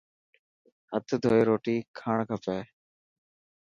هٿ ڌوئي روٽي کاڻ کپي.